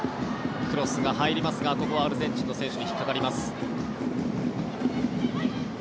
クロスが入りますがここはアルゼンチンの選手に引っかかります。